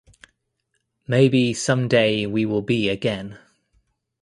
Maybe someday we will be again.